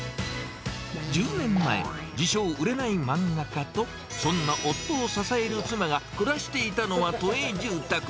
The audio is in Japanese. １０年前、自称、売れない漫画家と、そんな夫を支える妻が、暮らしていたのは都営住宅。